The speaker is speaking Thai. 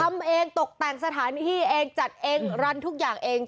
ทำเองตกแต่งสถานที่เองจัดเองรันทุกอย่างเอง